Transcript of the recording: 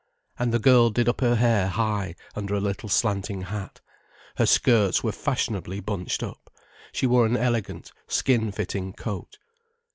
And the girl did up her hair high under a little slanting hat, her skirts were fashionably bunched up, she wore an elegant, skin fitting coat.